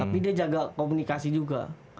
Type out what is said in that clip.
tapi dia jaga komunikasi juga